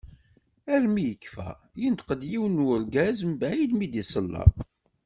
Armi yekfa, yenṭeq-d yiwen n urgaz mbeɛid mi d-iṣella.